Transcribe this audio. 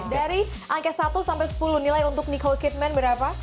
dari angka satu sampai sepuluh nilai untuk nicole kitman berapa